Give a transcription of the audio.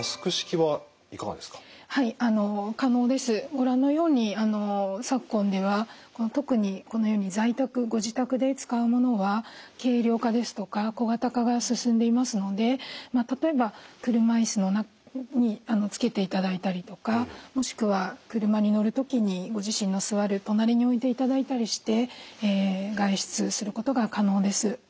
ご覧のように昨今では特にこのように在宅・ご自宅で使うものは軽量化ですとか小型化が進んでいますので例えば車椅子につけていただいたりとかもしくは車に乗る時にご自身の座る隣に置いていただいたりして外出することが可能です。